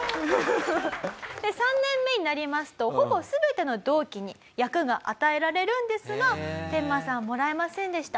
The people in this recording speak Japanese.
３年目になりますとほぼ全ての同期に役が与えられるんですがテンマさんはもらえませんでした。